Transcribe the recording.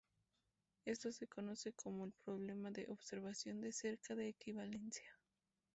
Esto se conoce como el problema de "observación de cerca de equivalencia".